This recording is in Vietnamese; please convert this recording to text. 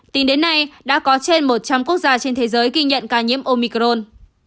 tính đến nay đã có trên một trăm linh quốc gia trên thế giới ghi nhận ca nhiễm omicron